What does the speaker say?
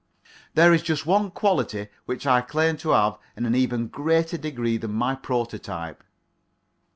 There is just one quality which I claim to have in an even greater degree than my prototype.